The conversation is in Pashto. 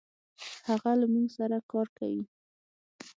هغه له مونږ سره کار کوي.